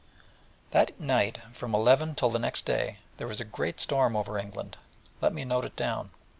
That night, from eleven till the next day, there was a great storm over England: let me note it down.